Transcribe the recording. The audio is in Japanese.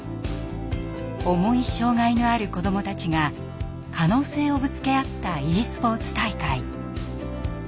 重い障害のある子どもたちが可能性をぶつけ合ったｅスポーツ大会。